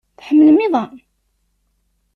Tḥemmlem iḍan?